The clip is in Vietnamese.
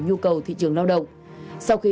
nhu cầu thị trường lao động sau khi